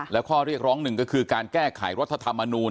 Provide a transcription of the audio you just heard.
และข้อเรียกร้องหนึ่งก็คือการแก้ไขรัฐธรรมนูล